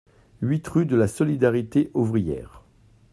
huit rue de la Solidarité Ouvrière